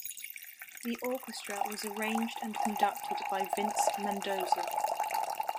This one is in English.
The orchestra was arranged and conducted by Vince Mendoza.